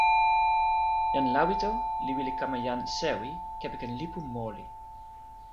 jan Lawito li wile kama jan sewi kepeken lipu moli.